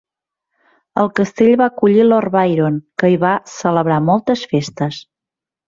El castell va acollir Lord Byron, que hi va celebrar moltes festes.